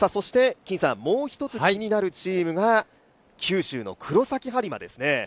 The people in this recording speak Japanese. もう一つ気になるチームが九州の黒崎播磨ですね。